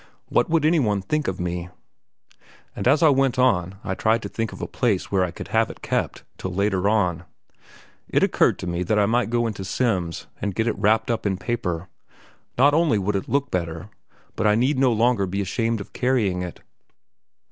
What would any one think of me? And as I went on I tried to think of a place where I could have it kept till later on. It occurred to me that I might go into Semb's and get it wrapped up in paper; not only would it look better, but I need no longer be ashamed of carrying it.